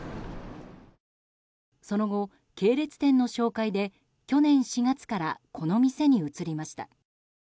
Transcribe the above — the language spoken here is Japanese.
その後、系列店の紹介で去年４月からこの店に移りました。